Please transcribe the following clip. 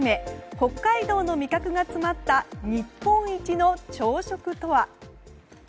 北海道の味覚が詰まった日本一の朝食とは。